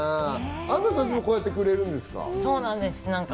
アンナさんにもこうやってくれるんですか？